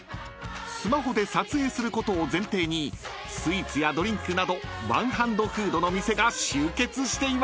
［スマホで撮影することを前提にスイーツやドリンクなどワンハンドフードの店が集結しています］